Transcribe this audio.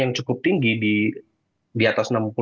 yang cukup tinggi di atas